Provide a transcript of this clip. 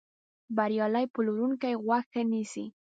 بریالی پلورونکی غوږ ښه نیسي.